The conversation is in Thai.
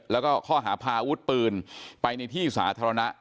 และข้อหาบาวุฒิปืนไปในที่สาธารณะ